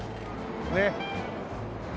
ねっ。